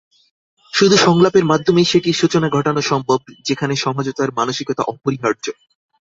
শুধু সংলাপের মাধ্যমেই সেটির সূচনা ঘটানো সম্ভব, যেখানে সমঝোতার মানসিকতা অপরিহার্য।